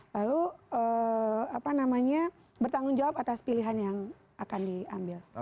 lalu bertanggung jawab atas pilihan yang akan diambil